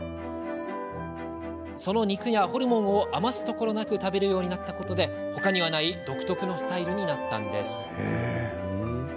その肉やホルモンを余すところなく食べるようになったことで他にはない独特のスタイルになったんです。